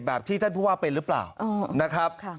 ที่ท่านผู้ว่าเป็นหรือเปล่านะครับ